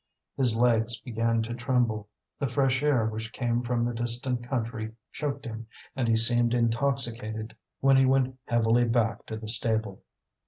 His legs began to tremble, the fresh air which came from the distant country choked him, and he seemed intoxicated when he went heavily back to the stable.